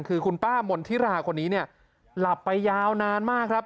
คือคุณป้ามนธิราคนนี้เนี่ยหลับไปยาวนานมากครับ